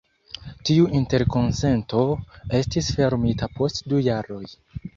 Tiu interkonsento estis fermita post du jaroj.